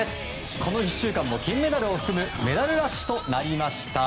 この１週間も金メダルを含むメダルラッシュとなりました。